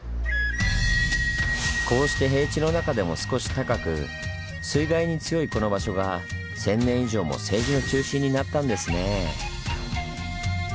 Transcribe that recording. こうして平地の中でも少し高く水害に強いこの場所が１，０００年以上も政治の中心になったんですねぇ。